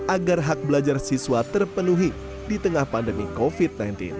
agar hak belajar siswa terpenuhi di tengah pandemi covid sembilan belas